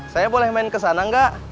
saya boleh main kesana gak